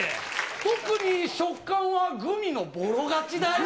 特に食感はグミのぼろ勝ちだよ。